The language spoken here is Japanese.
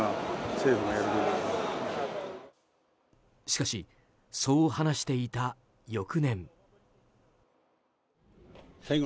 しかし、そう話していた翌年。